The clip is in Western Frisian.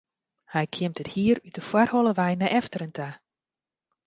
Hy kjimt it hier út de foarholle wei nei efteren ta.